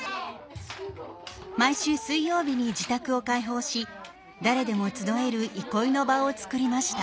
毎週水曜日に自宅を開放し誰でも集える憩いの場を作りました。